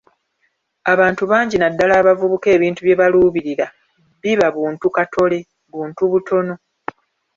Abantu bangi naddala abavubuka ebintu bye baluubirira biba buntu katole, buntu butono.